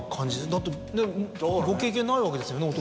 だってご経験ないわけですよねお父さん。